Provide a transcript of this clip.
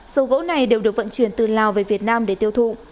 số gỗ này đều được vận chuyển từ lào về việt nam để tiêu thụ